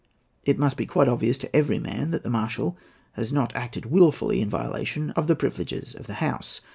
It must be quite obvious to every man that the marshal has not acted wilfully in violation of the privileges of the House.